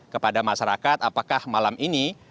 kepada masyarakat apakah malam ini